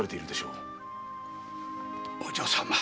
お嬢様。